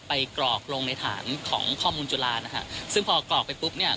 กรอกลงในฐานของข้อมูลจุฬานะฮะซึ่งพอกรอกไปปุ๊บเนี่ย